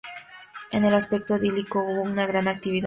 En el aspecto edilicio hubo una gran actividad.